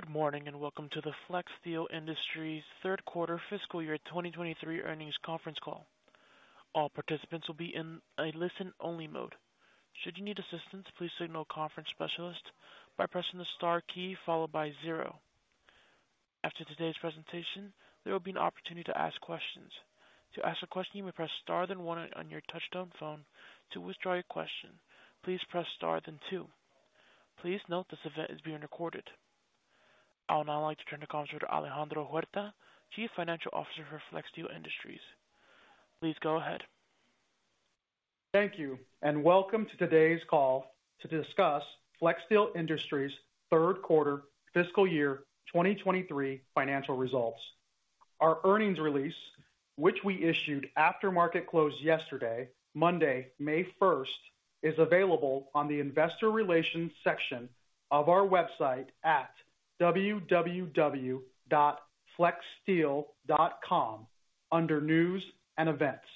Good morning, and welcome to the Flexsteel Industries third quarter fiscal year 2023 earnings conference call. All participants will be in a listen-only mode. Should you need assistance, please signal a conference specialist by pressing the star key followed by zero. After today's presentation, there will be an opportunity to ask questions. To ask a question, you may press star then one on your touch-tone phone. To withdraw your question, please press star then two. Please note this event is being recorded. I would now like to turn the call over to Alejandro Huerta, Chief Financial Officer for Flexsteel Industries. Please go ahead. Thank you. Welcome to today's call to discuss Flexsteel Industries' third quarter fiscal year 2023 financial results. Our earnings release, which we issued after market close yesterday, Monday, May 1st, is available on the investor relations section of our website at www.flexsteel.com under News and Events.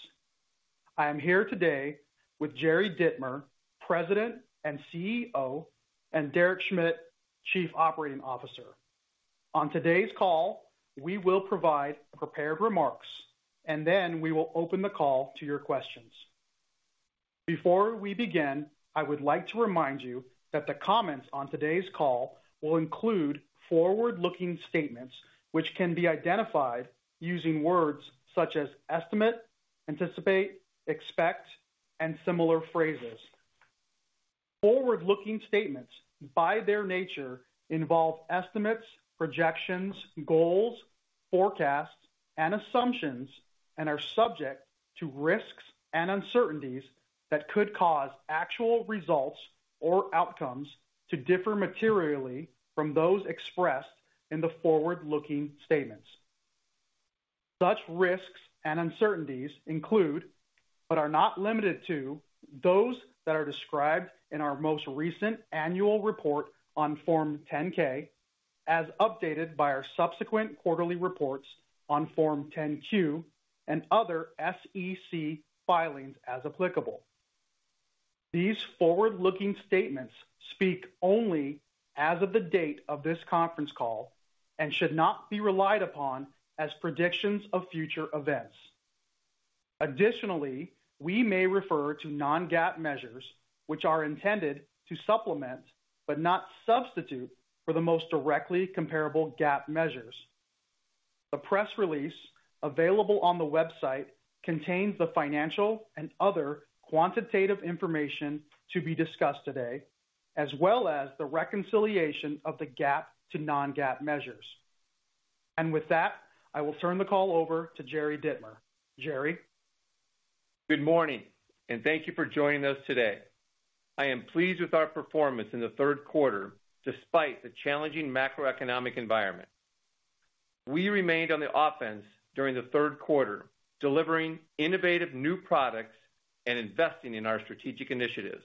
I am here today with Jerry Dittmer, President and CEO, and Derek Schmidt, Chief Operating Officer. On today's call, we will provide prepared remarks. Then we will open the call to your questions. Before we begin, I would like to remind you that the comments on today's call will include forward-looking statements which can be identified using words such as estimate, anticipate, expect, and similar phrases. Forward-looking statements, by their nature, involve estimates, projections, goals, forecasts, and assumptions, and are subject to risks and uncertainties that could cause actual results or outcomes to differ materially from those expressed in the forward-looking statements. Such risks and uncertainties include, but are not limited to, those that are described in our most recent annual report on Form 10-K as updated by our subsequent quarterly reports on Form 10-Q and other SEC filings as applicable. These forward-looking statements speak only as of the date of this conference call and should not be relied upon as predictions of future events. Additionally, we may refer to non-GAAP measures, which are intended to supplement, but not substitute, for the most directly comparable GAAP measures. The press release available on the website contains the financial and other quantitative information to be discussed today, as well as the reconciliation of the GAAP to non-GAAP measures. With that, I will turn the call over to Jerry Dittmer. Jerry. Good morning, thank you for joining us today. I am pleased with our performance in the third quarter despite the challenging macroeconomic environment. We remained on the offense during the third quarter, delivering innovative new products and investing in our strategic initiatives.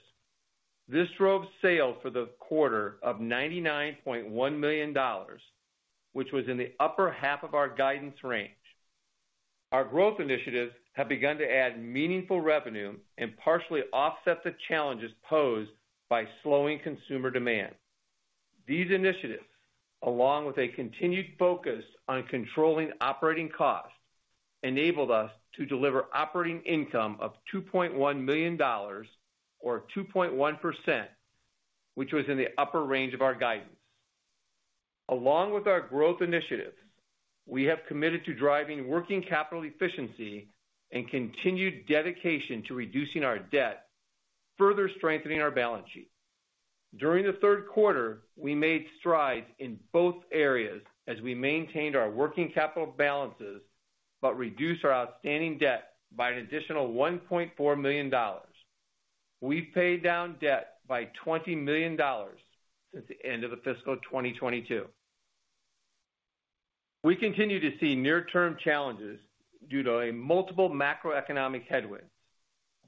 This drove sales for the quarter of $99.1 million, which was in the upper half of our guidance range. Our growth initiatives have begun to add meaningful revenue and partially offset the challenges posed by slowing consumer demand. These initiatives, along with a continued focus on controlling operating costs, enabled us to deliver operating income of $2.1 million or 2.1%, which was in the upper range of our guidance. Along with our growth initiatives, we have committed to driving working capital efficiency and continued dedication to reducing our debt, further strengthening our balance sheet. During the third quarter, we made strides in both areas as we maintained our working capital balances, reduced our outstanding debt by an additional $1.4 million. We paid down debt by $20 million since the end of the fiscal 2022. We continue to see near-term challenges due to a multiple macroeconomic headwinds.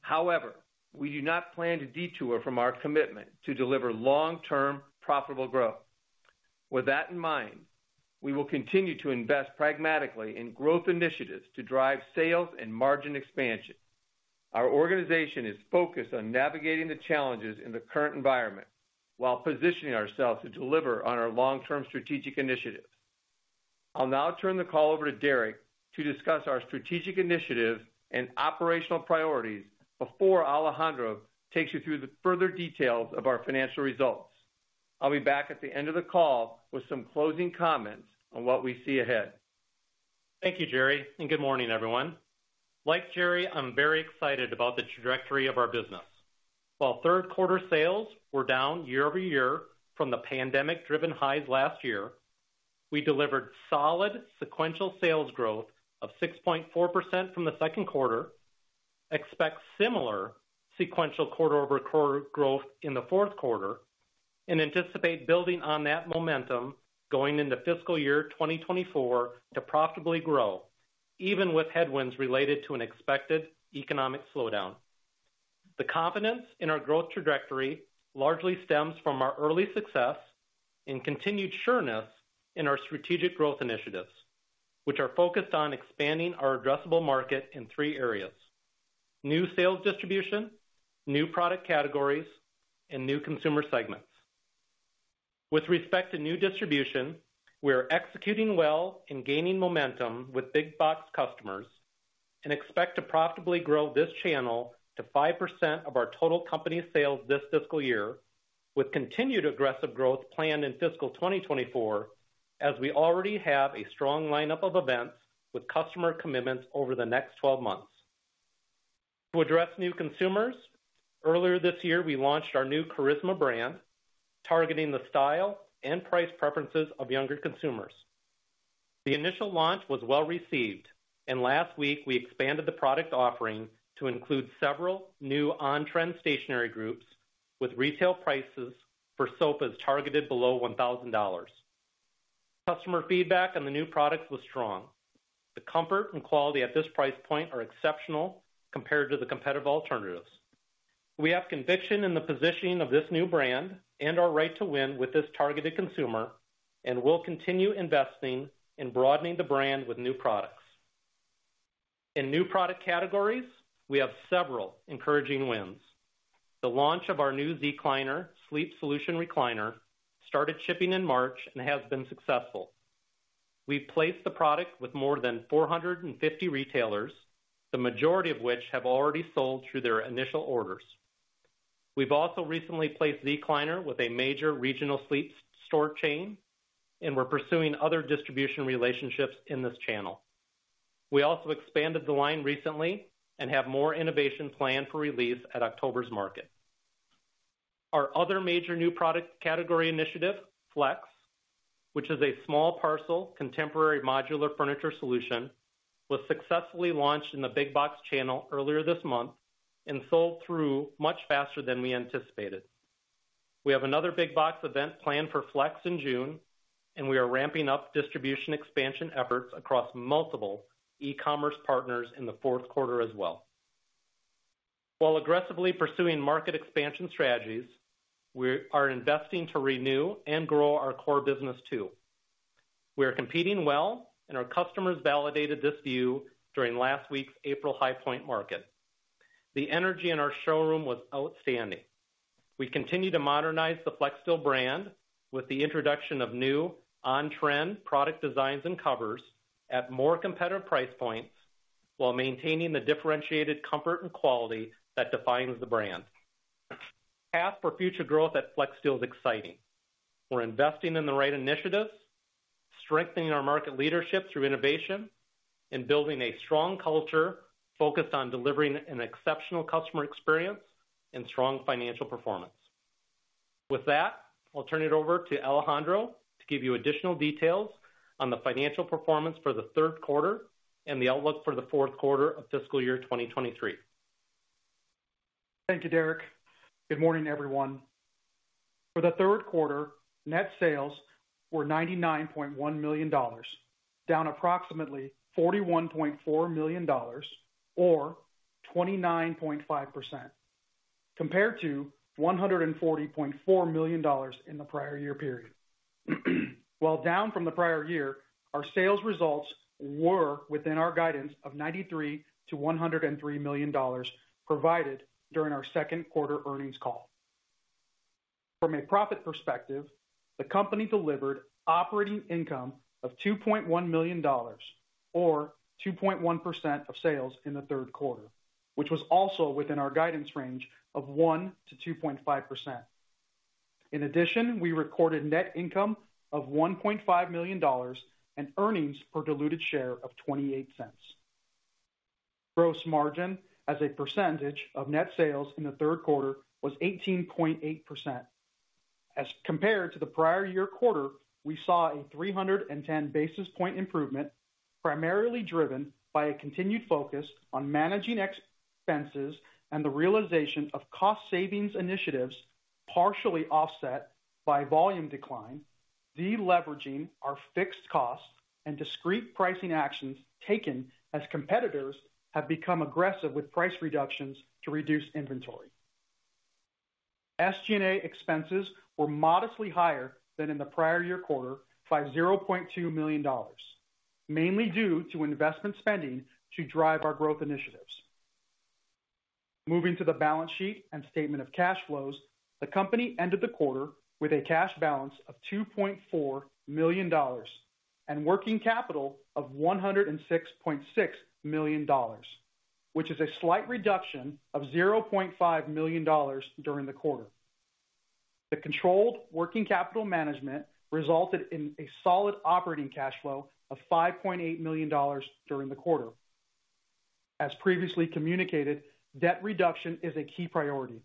However, we do not plan to detour from our commitment to deliver long-term profitable growth. With that in mind, we will continue to invest pragmatically in growth initiatives to drive sales and margin expansion. Our organization is focused on navigating the challenges in the current environment while positioning ourselves to deliver on our long-term strategic initiatives. I'll now turn the call over to Derek to discuss our strategic initiatives and operational priorities before Alejandro takes you through the further details of our financial results. I'll be back at the end of the call with some closing comments on what we see ahead. Thank you, Jerry. Good morning, everyone. Like Jerry, I'm very excited about the trajectory of our business. While third quarter sales were down year-over-year from the pandemic-driven highs last year, we delivered solid sequential sales growth of 6.4% from the second quarter. Expect similar sequential quarter-over-quarter growth in the fourth quarter. Anticipate building on that momentum going into fiscal year 2024 to profitably grow, even with headwinds related to an expected economic slowdown. The confidence in our growth trajectory largely stems from our early success and continued sureness in our strategic growth initiatives, which are focused on expanding our addressable market in three areas, new sales distribution, new product categories, and new consumer segments. With respect to new distribution, we are executing well and gaining momentum with big box customers and expect to profitably grow this channel to 5% of our total company sales this fiscal year with continued aggressive growth planned in fiscal 2024 as we already have a strong lineup of events with customer commitments over the next 12 months. To address new consumers, earlier this year, we launched our new Charisma brand, targeting the style and price preferences of younger consumers. The initial launch was well-received, and last week, we expanded the product offering to include several new on-trend stationary groups with retail prices for sofas targeted below $1,000. Customer feedback on the new products was strong. The comfort and quality at this price point are exceptional compared to the competitive alternatives. We have conviction in the positioning of this new brand and our right to win with this targeted consumer. We'll continue investing in broadening the brand with new products. In new product categories, we have several encouraging wins. The launch of our new Zecliner sleep solution recliner started shipping in March and has been successful. We've placed the product with more than 450 retailers, the majority of which have already sold through their initial orders. We've also recently placed Zecliner with a major regional sleep store chain. We're pursuing other distribution relationships in this channel. We also expanded the line recently and have more innovation planned for release at October's market. Our other major new product category initiative, Flex, which is a small parcel contemporary modular furniture solution, was successfully launched in the big box channel earlier this month and sold through much faster than we anticipated. We have another big box event planned for Flex in June, and we are ramping up distribution expansion efforts across multiple e-commerce partners in the fourth quarter as well. While aggressively pursuing market expansion strategies, we are investing to renew and grow our core business too. We are competing well, and our customers validated this view during last week's April High Point Market. The energy in our showroom was outstanding. We continue to modernize the Flexsteel brand with the introduction of new on-trend product designs and covers at more competitive price points while maintaining the differentiated comfort and quality that defines the brand. Path for future growth at Flexsteel is exciting. We're investing in the right initiatives, strengthening our market leadership through innovation, and building a strong culture focused on delivering an exceptional customer experience and strong financial performance. With that, I'll turn it over to Alejandro to give you additional details on the financial performance for the third quarter and the outlook for the fourth quarter of fiscal year 2023. Thank you, Derek. Good morning, everyone. For the third quarter, net sales were $99.1 million, down approximately $41.4 million or 29.5% compared to $140.4 million in the prior year period. While down from the prior year, our sales results were within our guidance of $93 million-$103 million provided during our second quarter earnings call. From a profit perspective, the company delivered operating income of $2.1 million or 2.1% of sales in the third quarter, which was also within our guidance range of 1%-2.5%. We recorded net income of $1.5 million and earnings per diluted share of $0.28. Gross margin as a percentage of net sales in the third quarter was 18.8%. As compared to the prior year quarter, we saw a 310 basis point improvement, primarily driven by a continued focus on managing expenses and the realization of cost savings initiatives, partially offset by volume decline, deleveraging our fixed costs, and discrete pricing actions taken as competitors have become aggressive with price reductions to reduce inventory. SG&A expenses were modestly higher than in the prior year quarter by $0.2 million, mainly due to investment spending to drive our growth initiatives. Moving to the balance sheet and statement of cash flows, the company ended the quarter with a cash balance of $2.4 million and working capital of $106.6 million, which is a slight reduction of $0.5 million during the quarter. The controlled working capital management resulted in a solid operating cash flow of $5.8 million during the quarter. As previously communicated, debt reduction is a key priority.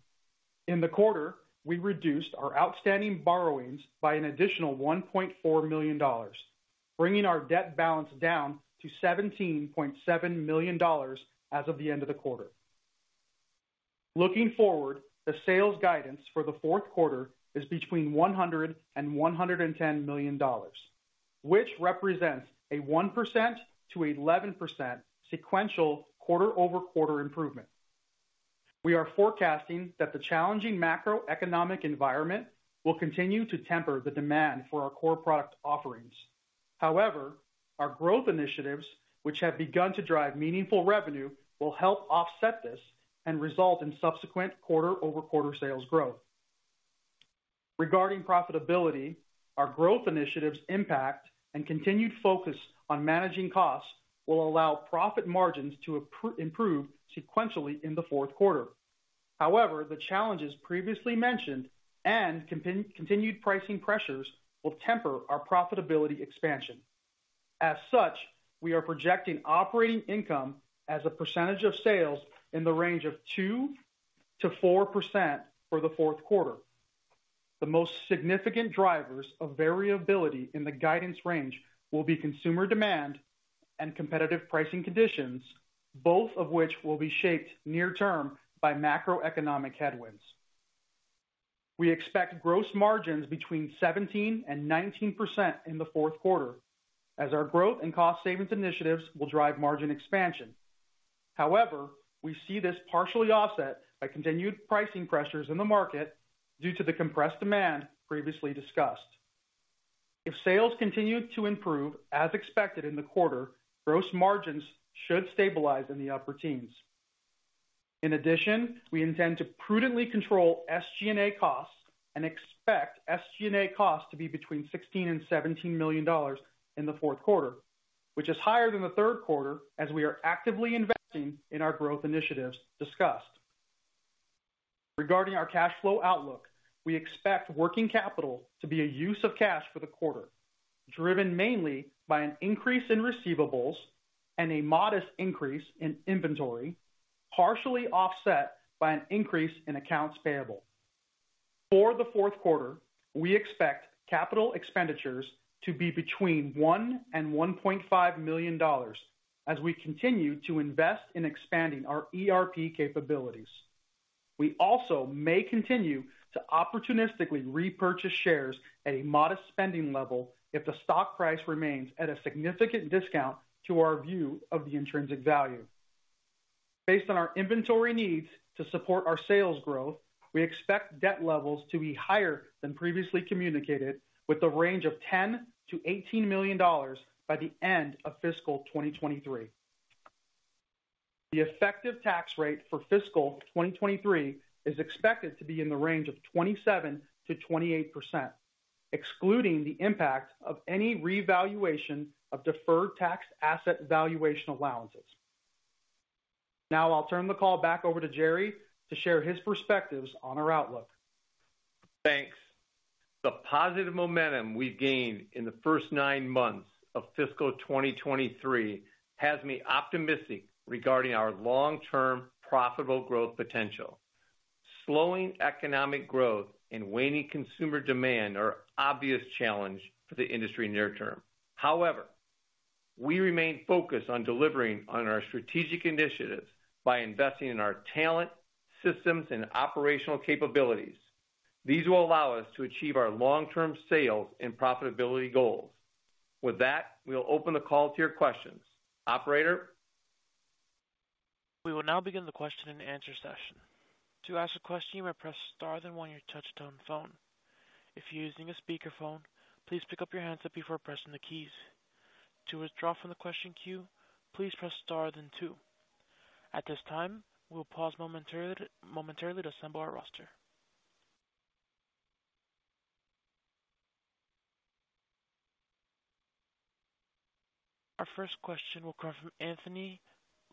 In the quarter, we reduced our outstanding borrowings by an additional $1.4 million, bringing our debt balance down to $17.7 million as of the end of the quarter. Looking forward, the sales guidance for the fourth quarter is between $100 million and $110 million, which represents a 1%-11% sequential quarter-over-quarter improvement. We are forecasting that the challenging macroeconomic environment will continue to temper the demand for our core product offerings. However, our growth initiatives, which have begun to drive meaningful revenue, will help offset this and result in subsequent quarter-over-quarter sales growth. Regarding profitability, our growth initiatives impact and continued focus on managing costs will allow profit margins to improve sequentially in the fourth quarter. However, the challenges previously mentioned and continued pricing pressures will temper our profitability expansion. As such, we are projecting operating income as a percentage of sales in the range of 2%-4% for the fourth quarter. The most significant drivers of variability in the guidance range will be consumer demand and competitive pricing conditions, both of which will be shaped near term by macroeconomic headwinds. We expect gross margins between 17% and 19% in the fourth quarter as our growth and cost savings initiatives will drive margin expansion. We see this partially offset by continued pricing pressures in the market due to the compressed demand previously discussed. If sales continue to improve as expected in the quarter, gross margins should stabilize in the upper teens. We intend to prudently control SG&A costs and expect SG&A costs to be between $16 million and $17 million in the fourth quarter, which is higher than the third quarter as we are actively investing in our growth initiatives discussed. Regarding our cash flow outlook, we expect working capital to be a use of cash for the quarter, driven mainly by an increase in receivables and a modest increase in inventory, partially offset by an increase in accounts payable. For the fourth quarter, we expect capital expenditures to be between $1 million and $1.5 million as we continue to invest in expanding our ERP capabilities. We also may continue to opportunistically repurchase shares at a modest spending level if the stock price remains at a significant discount to our view of the intrinsic value. Based on our inventory needs to support our sales growth, we expect debt levels to be higher than previously communicated with a range of $10 million-$18 million by the end of fiscal 2023. The effective tax rate for fiscal 2023 is expected to be in the range of 27%-28%, excluding the impact of any revaluation of deferred tax asset valuation allowances. I'll turn the call back over to Jerry to share his perspectives on our outlook. Thanks. The positive momentum we've gained in the first nine months of fiscal 2023 has me optimistic regarding our long-term profitable growth potential. Slowing economic growth and waning consumer demand are obvious challenge for the industry near term. However, we remain focused on delivering on our strategic initiatives by investing in our talent, systems, and operational capabilities. These will allow us to achieve our long-term sales and profitability goals. With that, we'll open the call to your questions. Operator? We will now begin the question and answer session. To ask a question, you may press star then one on your touchtone phone. If you're using a speakerphone, please pick up your handset before pressing the keys. To withdraw from the question queue, please press star then two. At this time, we'll pause momentarily to assemble our roster. Our first question will come from Anthony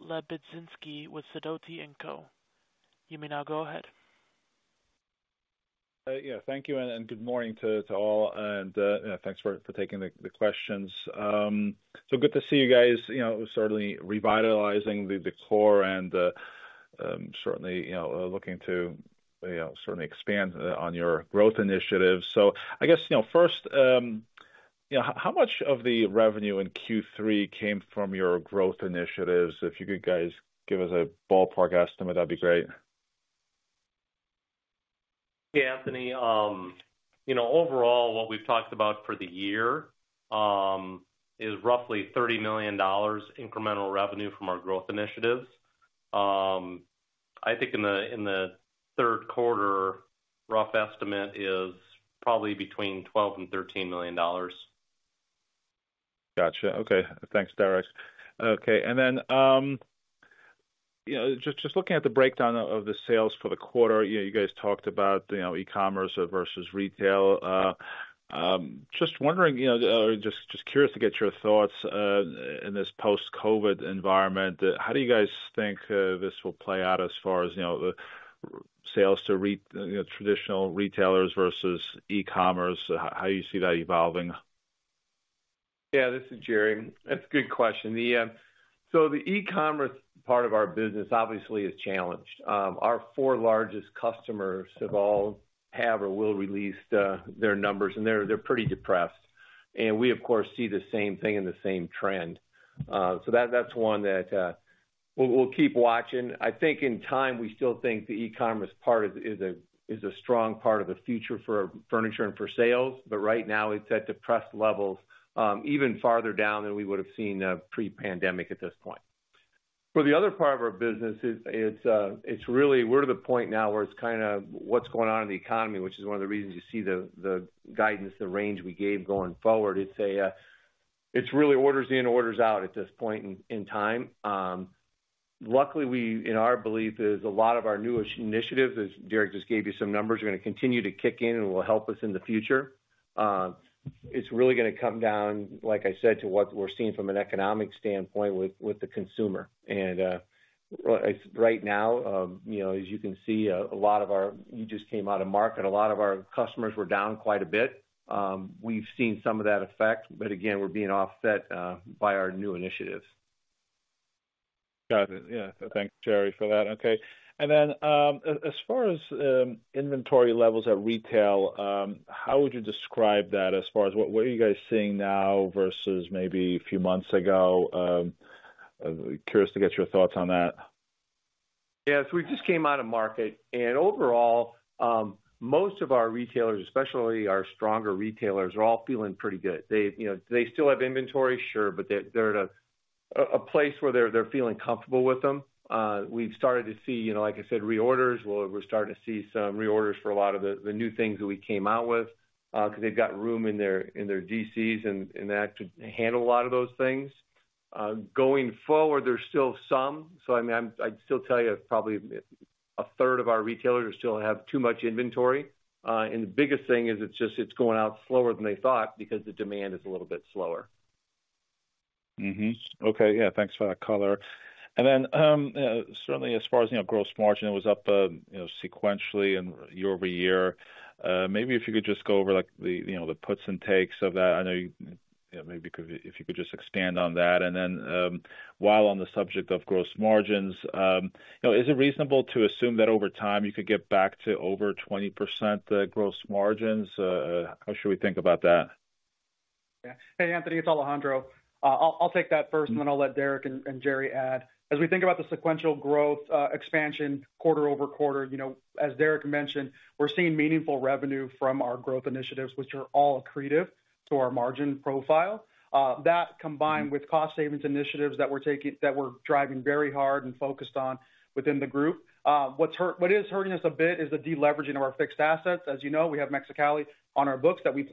Lebiedzinski with Sidoti & Co You may now go ahead. Yeah, thank you and good morning to all, and you know, thanks for taking the questions. Good to see you guys, you know, certainly revitalizing the core and certainly, you know, looking to, you know, certainly expand on your growth initiatives. I guess, you know, first, you know, how much of the revenue in Q3 came from your growth initiatives? If you could guys give us a ballpark estimate, that'd be great. Anthony, you know, overall, what we've talked about for the year, is roughly $30 million incremental revenue from our growth initiatives. I think in the, in the third quarter, rough estimate is probably between $12 million and $13 million. Gotcha. Okay. Thanks, Derek. Okay, you know, just looking at the breakdown of the sales for the quarter, you know, you guys talked about, you know, e-commerce versus retail. just wondering, you know, just curious to get your thoughts in this post-COVID environment, how do you guys think this will play out as far as, you know, the sales to retailers, you know, traditional retailers versus e-commerce? How do you see that evolving? Yeah, this is Jerry. That's a good question. The e-commerce part of our business obviously is challenged. Our four largest customers have or will release their numbers and they're pretty depressed. We of course see the same thing and the same trend. That's one that we'll keep watching. I think in time, we still think the e-commerce part is a strong part of the future for furniture and for sales. Right now it's at depressed levels, even farther down than we would've seen pre-pandemic at this point. For the other part of our business, it's really we're to the point now where it's kinda what's going on in the economy, which is one of the reasons you see the guidance, the range we gave going forward. It's really orders in, orders out at this point in time. Luckily, in our belief is a lot of our newish initiatives, as Derek just gave you some numbers, are gonna continue to kick in and will help us in the future. It's really gonna come down, like I said, to what we're seeing from an economic standpoint with the consumer. Right now, you know, as you can see, a lot of our... you just came out of market. A lot of our customers were down quite a bit. We've seen some of that effect. Again, we're being offset by our new initiatives. Got it. Yeah. Thanks, Jerry, for that. Okay. As far as inventory levels at retail, how would you describe that as far as what are you guys seeing now versus maybe a few months ago? Curious to get your thoughts on that. Yes. We just came out of market, overall, most of our retailers, especially our stronger retailers, are all feeling pretty good. They, you know, they still have inventory, sure, but they're at a place where they're feeling comfortable with them. We've started to see, you know, like I said, reorders. We're starting to see some reorders for a lot of the new things that we came out with, because they've got room in their DCs and they have to handle a lot of those things. Going forward, there's still some. I mean, I'd still tell you probably a third of our retailers still have too much inventory. The biggest thing is it's going out slower than they thought because the demand is a little bit slower. Okay. Yeah, thanks for that color. Certainly as far as, you know, gross margin, it was up, you know, sequentially and year-over-year. Maybe if you could just go over, like, the, you know, the puts and takes of that. I know, you know, maybe if you could just expand on that. While on the subject of gross margins, you know, is it reasonable to assume that over time you could get back to over 20%, gross margins? How should we think about that? Yeah. Hey, Anthony, it's Alejandro. I'll take that first, and then I'll let Derek and Jerry add. As we think about the sequential growth expansion quarter-over-quarter, you know, as Derek mentioned, we're seeing meaningful revenue from our growth initiatives, which are all accretive to our margin profile. That combined with cost savings initiatives that we're driving very hard and focused on within the group. What is hurting us a bit is the deleveraging of our fixed assets. As you know, we have Mexicali on our books that we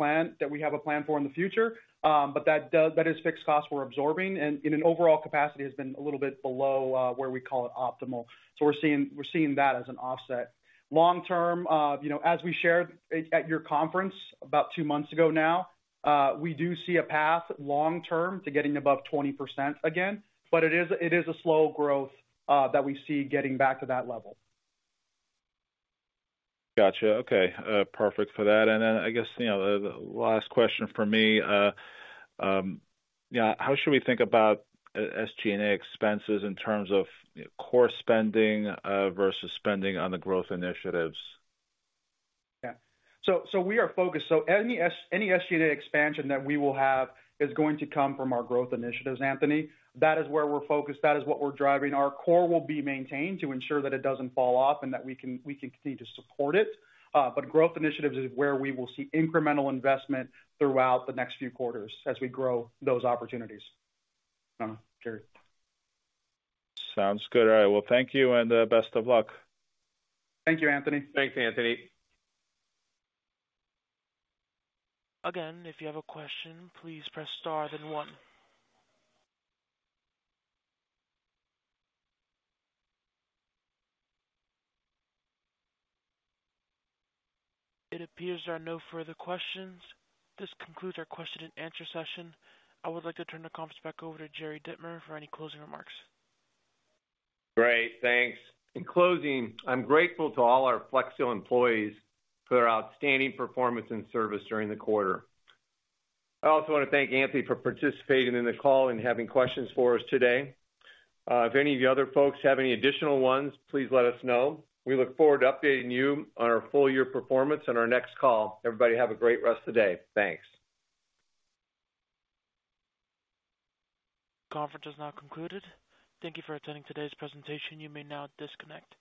have a plan for in the future. But that is fixed costs we're absorbing, and in an overall capacity has been a little bit below where we call it optimal. We're seeing that as an offset. Long-term, you know, as we shared at your conference about two months ago now, we do see a path long-term to getting above 20% again, but it is a slow growth, that we see getting back to that level. Gotcha. Okay. perfect for that. Then I guess, you know, the last question for me, yeah, how should we think about SG&A expenses in terms of, you know, core spending, versus spending on the growth initiatives? Yeah. We are focused. Any SG&A expansion that we will have is going to come from our growth initiatives, Anthony. That is where we're focused. That is what we're driving. Our core will be maintained to ensure that it doesn't fall off and that we can continue to support it. Growth initiatives is where we will see incremental investment throughout the next few quarters as we grow those opportunities. Jerry. Sounds good. All right. Well, thank you and best of luck. Thank you, Anthony. Thanks, Anthony. If you have a question, please press star then one. It appears there are no further questions. This concludes our question and answer session. I would like to turn the conference back over to Jerry Dittmer for any closing remarks. Great. Thanks. In closing, I'm grateful to all our Flexsteel employees for their outstanding performance and service during the quarter. I also wanna thank Anthony for participating in the call and having questions for us today. If any of you other folks have any additional ones, please let us know. We look forward to updating you on our full year performance on our next call. Everybody, have a great rest of the day. Thanks. Conference is now concluded. Thank you for attending today's presentation. You may now disconnect.